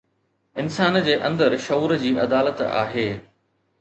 انسان جي اندر شعور جي عدالت آهي